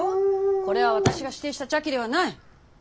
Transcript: これは私が指定した茶器ではない。